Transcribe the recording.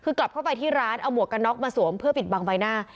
คือกลับเข้าไปที่ร้านเอาหมวกกันน็อกมาสวมเพื่อปิดบังใบหน้า